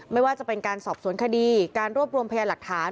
ไม่ว่าจะเป็นการสอบสวนคดีการรวบรวมพยานหลักฐาน